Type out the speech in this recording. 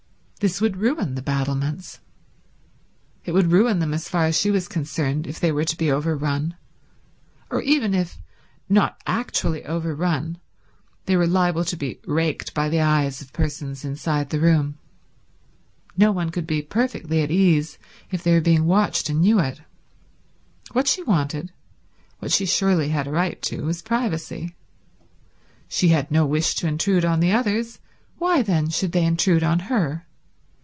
This would ruin the battlements. It would ruin them as far as she was concerned if they were to be overrun; or even if, not actually overrun, they were liable to be raked by the eyes of persons inside the room. No one could be perfectly at ease if they were being watched and knew it. What she wanted, what she surely had a right to, was privacy. She had no wish to intrude on the others; why then should they intrude on her?